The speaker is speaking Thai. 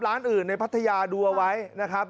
ร้านอื่นในพัทยาดูเอาไว้นะครับ